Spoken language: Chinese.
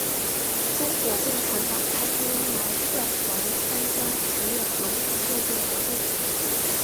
中国共产党派周恩来率团参加十月革命庆祝活动。